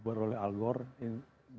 setujui untuk menurangi emisi